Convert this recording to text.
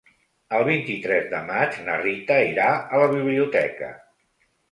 El vint-i-tres de maig na Rita irà a la biblioteca.